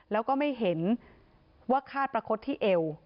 แล้วก็ไม่เห็นว่าคาดประคดที่เอว